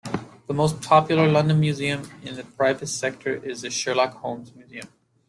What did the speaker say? The most popular London museum in the private sector is The Sherlock Holmes Museum.